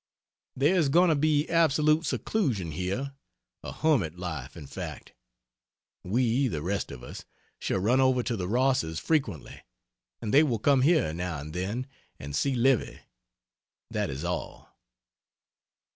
There is going to be absolute seclusion here a hermit life, in fact. We (the rest of us) shall run over to the Ross's frequently, and they will come here now and then and see Livy that is all.